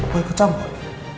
kau ikut campur